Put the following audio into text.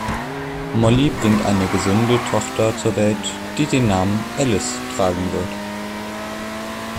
Molly bringt eine gesunde Tochter zur Welt, die den Namen Alice tragen wird.